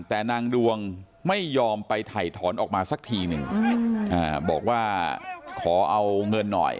แต่นางดวงไม่ยอมไปถ่ายถอนออกมาสักทีหนึ่งบอกว่าขอเอาเงินหน่อย